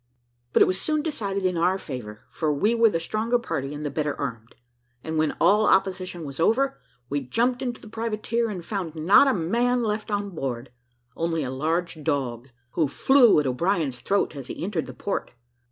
But it was soon decided in our favour, for we were the stronger party and the better armed; and when all opposition was over, we jumped into the privateer, and found not a man left on board, only a large dog, who flew at O'Brien's throat as he entered the port.